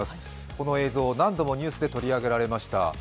この映像何度もニュースで取り上げられました。